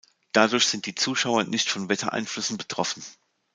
Dadurch sind die Zuschauer nicht von Wettereinflüssen betroffen.